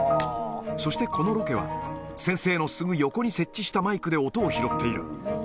そしてこのロケは、先生のすぐ横に設置したマイクで音を拾っている。